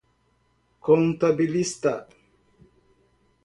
contabilista